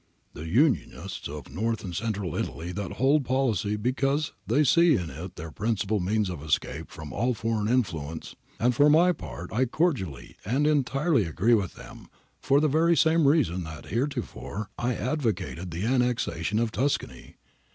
]' The Unionists of North and Central Italy hold that policy because they see in it their principal means of escape from all foreign influence, and for my part I cordially and entirely agree with them for the very same reason that heretofore 1 advocated the annexation of Tuscany.